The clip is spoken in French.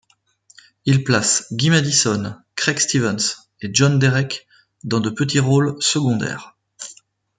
Il place Guy Madison, Craig Stevens et John Derek dans de petits rôles secondaires.